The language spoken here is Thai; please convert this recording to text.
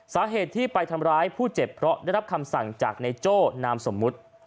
สาเหตุที่ไปทำร้ายผู้เจ็บเพราะได้รับคำสั่งจากนายโจ้นามสมมุติ